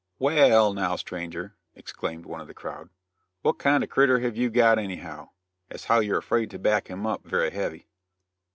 "Wa al, now, stranger," exclaimed one of the crowd, "what kind o' critter have you got anyhow, as how you're afraid to back him up very heavy?"